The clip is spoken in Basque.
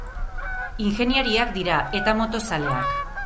Ingeniariak dira, eta motozaleak.